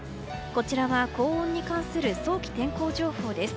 こちらは、高温に関する早期天候情報です。